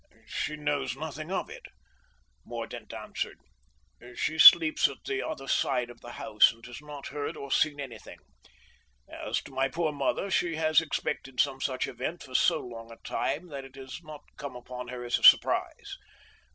"She knows nothing of it," Mordaunt answered. "She sleeps at the other side of the house, and has not heard or seen anything. As to my poor mother, she has expected some such event for so long a time that it has not come upon her as a surprise.